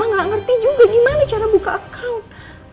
mama gak ngerti juga gimana cara buka account